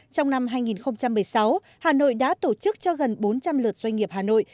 trong năm hai nghìn một mươi sáu hà nội đã tổ chức cho gần bốn trăm linh lượt doanh nghiệp hà nội